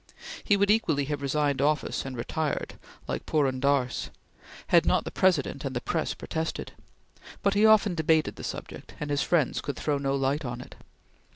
He would equally have resigned office and retired, like Purun Dass, had not the President and the press protested; but he often debated the subject, and his friends could throw no light on it.